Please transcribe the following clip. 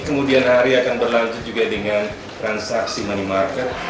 kemudian hari akan berlanjut juga dengan transaksi money market